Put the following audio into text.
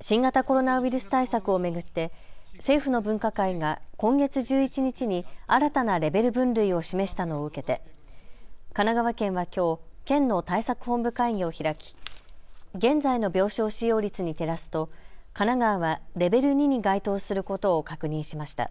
新型コロナウイルス対策を巡って政府の分科会が今月１１日に新たなレベル分類を示したのを受けて神奈川県はきょう、県の対策本部会議を開き現在の病床使用率に照らすと神奈川はレベル２に該当することを確認しました。